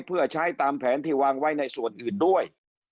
เพื่อใช้ตามแผนที่วางไว้ในส่วนอื่นด้วย